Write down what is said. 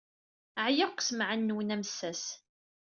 Ɛyiɣ seg ussemɛen-nwen amessas.